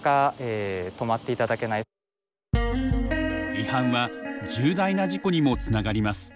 違反は重大な事故にもつながります。